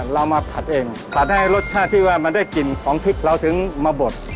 เรามาผัดเองผัดให้รสชาติที่ว่ามันได้กลิ่นของพริกเราถึงมาบด